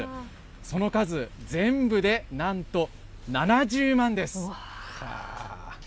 その数、全部でなんと７０万です。